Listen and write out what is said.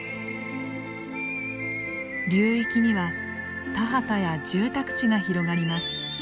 流域には田畑や住宅地が広がります。